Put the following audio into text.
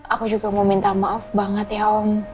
aku juga mau minta maaf banget ya om